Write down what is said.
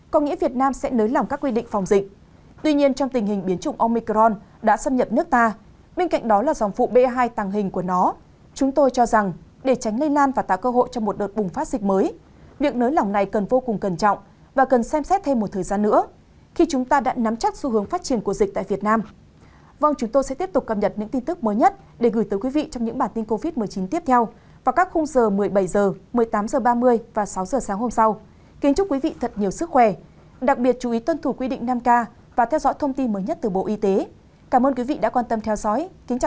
cảm ơn quý vị đã quan tâm theo dõi kính chào tạm biệt và hẹn gặp lại